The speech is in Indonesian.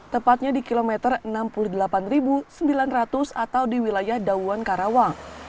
tepatnya di kilometer enam puluh delapan sembilan ratus atau di wilayah dauan karawang